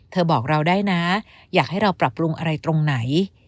บอกเราได้นะอยากให้เราปรับปรุงอะไรตรงไหน